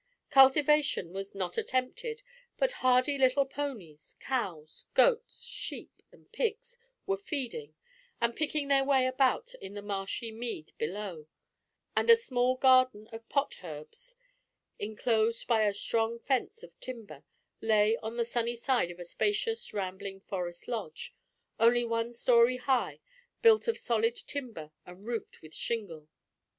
Cultivation was not attempted, but hardy little ponies, cows, goats, sheep, and pigs were feeding, and picking their way about in the marshy mead below, and a small garden of pot herbs, inclosed by a strong fence of timber, lay on the sunny side of a spacious rambling forest lodge, only one story high, built of solid timber and roofed with shingle.